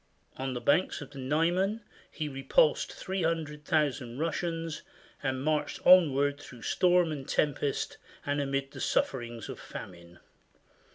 On the banks of the Niemen he repulsed 300,000 Russians and marched on ward through storm and tempest and amid the sufferings of famine.